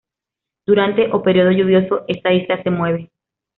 Durante o período lluvioso esa isla se mueve.